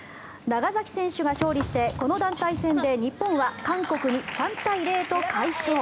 長崎選手が勝利してこの団体戦で日本は韓国に３対０と快勝。